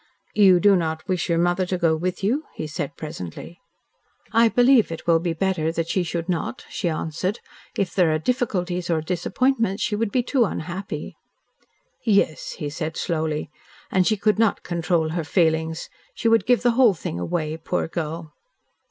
"You do not wish your mother to go with you?" he said presently. "I believe it will be better that she should not," she answered. "If there are difficulties or disappointments she would be too unhappy." "Yes," he said slowly, "and she could not control her feelings. She would give the whole thing away, poor girl."